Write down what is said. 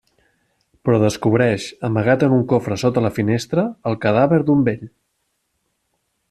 Però descobreix, amagat en un cofre sota la finestra, el cadàver d'un vell.